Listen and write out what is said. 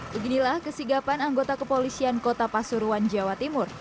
beginilah kesigapan anggota kepolisian kota pasuruan jawa timur